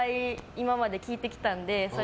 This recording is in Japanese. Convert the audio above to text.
今まで聞いてきたので。